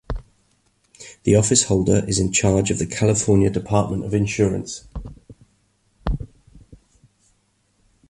The officeholder is in charge of the California Department of Insurance.